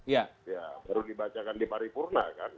ya baru dibacakan di paripurna kan